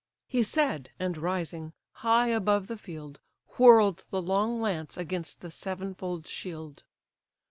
He said, and rising, high above the field Whirl'd the long lance against the sevenfold shield.